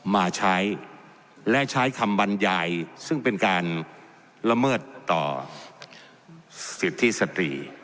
มาใช้และใช้คำบรรยายซึ่งเป็นการละเมิดต่อสิทธิสตรี